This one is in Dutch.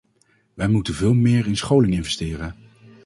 Wij moeten veel meer in scholing investeren.